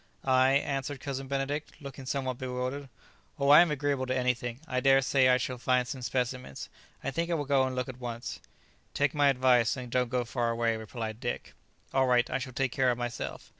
"I?" answered Cousin Benedict, looking somewhat bewildered, "Oh, I am agreeable to anything. I dare say I shall find some specimens. I think I will go and look at once." "Take my advice, and don't go far away," replied Dick. "All right; I shall take care of myself."